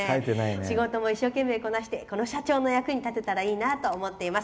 「仕事も一生懸命こなして社長の役に立てたらと思っています。